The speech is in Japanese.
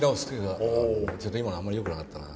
ちょっと今のあんまりよくなかったな。